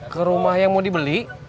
ke rumah yang mau dibeli